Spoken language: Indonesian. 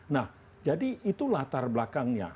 nah jadi itu latar belakangnya